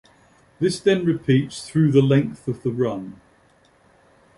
This then repeats through the length of the run.